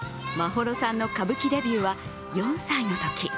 眞秀さんの歌舞伎デビューは４歳のとき。